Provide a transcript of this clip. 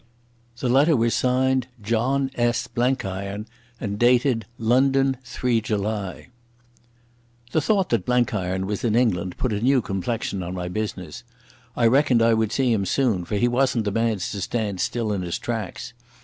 The letter was signed "John S. Blenkiron" and dated "London, July 3rd". The thought that Blenkiron was in England put a new complexion on my business. I reckoned I would see him soon, for he wasn't the man to stand still in his tracks.